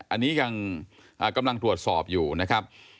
อันนี้ยังกำลังตรวจสอบอยู่นะครับ